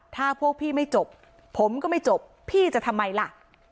ถ้าพวกพี่ไม่จบผมก็ไม่จบพี่จะทำไมล่ะ